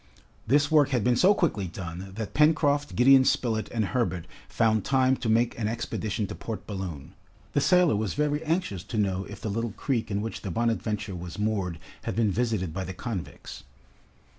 This work had been so quickly done, that Pencroft, Gideon Spilett, and Herbert found time to make an expedition to Port Balloon, The sailor was very anxious to know if the little creek in which the "Bonadventure" was moored, had been visited by the convicts.